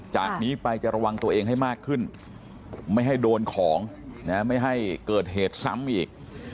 จากนี้ไปจะระวังตัวเองให้มากขึ้นไม่ให้โดนของไม่ให้เกิดเหตุซ้ำอีก